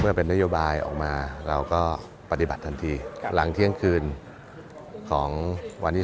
เป็นนโยบายออกมาเราก็ปฏิบัติทันทีหลังเที่ยงคืนของวันที่๒